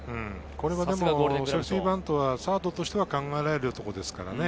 セーフティーバントはサードとしては考えられるところですからね。